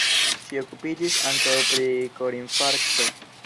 Ŝi okupiĝis ankaŭ pri korinfarkto.